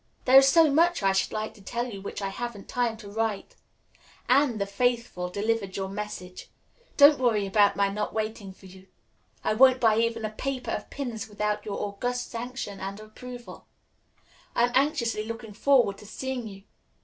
There is so much I should like to tell you which I haven't time to write. Anne, the faithful, delivered your message. Don't worry about my not waiting for you. I won't buy even a paper of pins without your august sanction and approval. I am anxiously looking forward to seeing you.